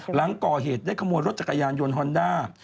หลังก่อเหตุได้ขโมยรถจักรยานยนต์ฮอนด้า